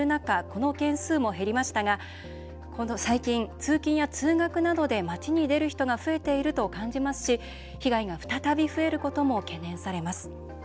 この件数も減りましたが最近、通勤や通学などで街に出る人が増えていると感じますし被害が再び増えることも懸念されます。